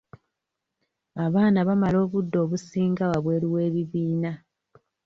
Abaana bamala obudde obusinga wabweru w'ebibiina.